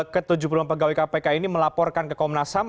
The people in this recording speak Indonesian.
ke tujuh puluh pegawai kpk ini melaporkan ke komnas ham